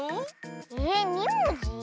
えっ２もじ？